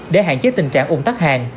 để hạn chế tình trạng ủng tắc hàng